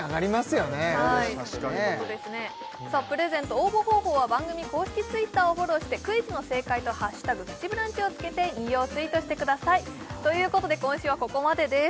応募方法は番組公式Ｔｗｉｔｔｅｒをフォローしてクイズの正解と「＃プチブランチ」をつけて引用ツイートしてくださいということで今週はここまでです